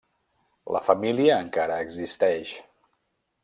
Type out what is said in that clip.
La família encara existeix.